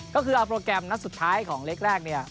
ก็คือเอาโปรแกรมนัดสุดท้ายของเล็กแรกเนี่ย